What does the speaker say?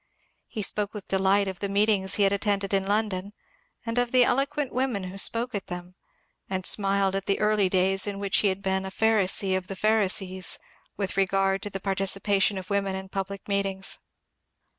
He spoke with delight of the meetings he had attended in London and of the eloquent women who spoke at them, and smiled at the early days in which he had been a '' Pharisee of the Pharisees " with regard to the participation of women in public meetings.